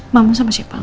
mama sama siapa